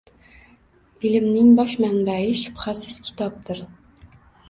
Ilmning bosh manbai, shubhasiz, kitobdir